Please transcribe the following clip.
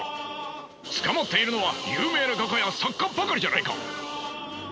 捕まっているのは有名な画家や作家ばかりじゃないか！